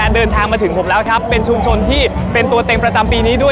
เดินทางมาถึงผมแล้วครับเป็นชุมชนที่เป็นตัวเต็มประจำปีนี้ด้วย